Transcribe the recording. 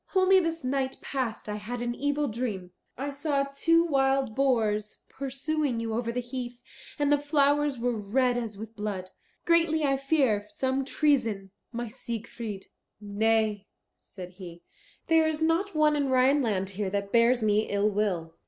Only this night past I had an evil dream. I saw two wild boars pursuing you over the heath, and the flowers were red as with blood. Greatly I fear some treason, my Siegfried." "Nay," said he, "there is not one in Rhineland here that bears me ill will.